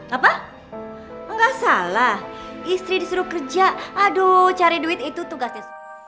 apa enggak salah istri disuruh kerja aduh cari duit itu tugasnya